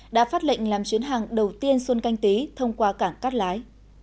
đã phát lệnh làm chuyến hàng đầu tiên xuân canh tí thông qua cảng cát lái